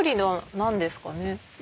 何ですかね？